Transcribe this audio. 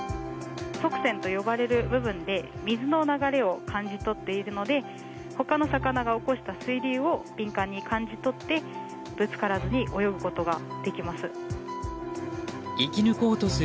側線と呼ばれる部分で水の流れを感じ取っているので他の魚が起こした水流を敏感に感じ取ってぶつからずに泳ぐことができます。